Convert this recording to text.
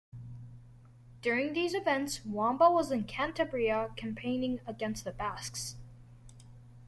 During these events, Wamba was in Cantabria campaigning against the Basques.